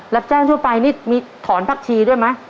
รับจ้างทั่วไปนี่มีถอนผักชีด้วยไหม